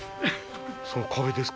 その壁ですか？